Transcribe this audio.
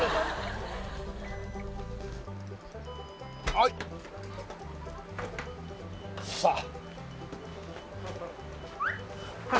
はいさっ